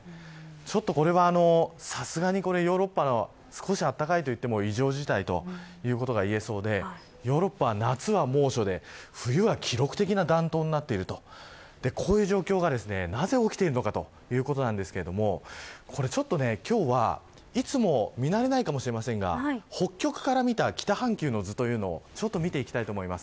これは、さすがにヨーロッパが少し暖かいといっても異常事態ということが言えそうでヨーロッパ、夏は猛暑で冬は記録的な暖冬になっていると、こういう状況が、なぜ起きているのかということですが今日は、いつもは見慣れないかもしれませんが北極から見た北半球の図というのを見ていきたいと思います。